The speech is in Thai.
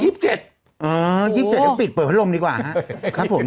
อ๋อยิบเจ็ดก็ปิดเปิดพัดลมดีกว่าครับครับผม